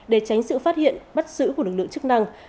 để tránh sự phát hiện bắt giữ của lực lượng chức năng